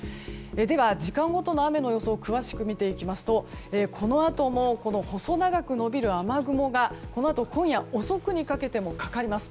では、時間ごとの雨の予想を詳しく見ていきますとこのあともこの細長く延びる雨雲がこのあと今夜遅くにかけてもかかります。